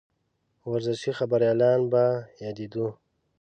ورزشي خبریالان به یادېدوو.